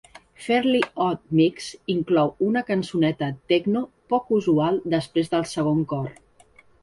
"Fairly Odd Mix" inclou una cançoneta techno poc usual després del segon cor.